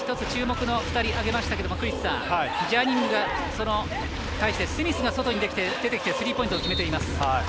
注目の２人を挙げましたけどジャニングに対してスミスが外に出てきてスリーポイントを決めています。